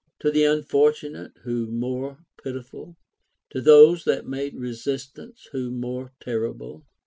To the unfortunate who more pitiful ? To those that made resistance who more terrible?